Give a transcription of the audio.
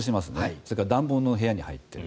それから暖房の部屋に入っている。